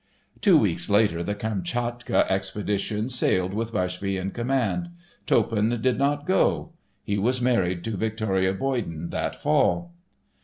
Two weeks later the Kamtchatka Expedition sailed with Bushby in command. Toppan did not go; he was married to Victoria Boyden that Fall.